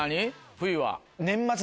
冬は。